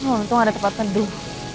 wah untung ada tempat penduh